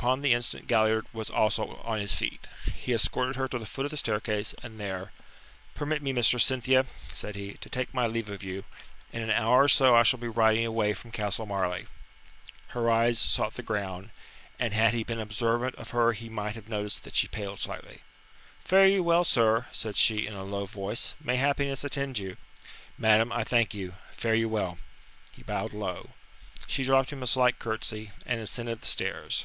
Upon the instant Galliard was also on his feet. He escorted her to the foot of the staircase, and there: "Permit me, Mistress Cynthia," said he, "to take my leave of you. In an hour or so I shall be riding away from Castle Marleigh." Her eyes sought the ground, and had he been observant of her he might have noticed that she paled slightly. "Fare you well, sir," said she in a low voice. "May happiness attend you." "Madam, I thank you. Fare you well." He bowed low. She dropped him a slight curtsey, and ascended the stairs.